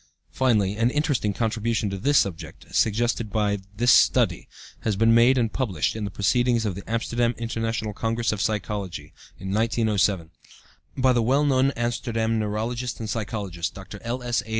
Finally, an interesting contribution to this subject, suggested by this Study, has been made and published (in the proceedings of the Amsterdam International Congress of Psychology, in 1907) by the well known Amsterdam neurologist and psychologist, Dr. L.S.A.